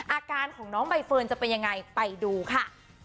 อาการของน้องใบเฟิร์นจะเป็นยังไงไปดูค่ะ